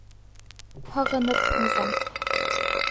Һағынып, Низам.